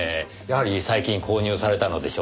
やはり最近購入されたのでしょうか？